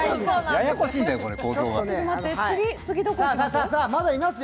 ややこしいのよ。